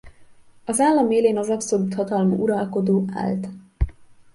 Az állam élén az abszolút hatalmú uralkodó állt.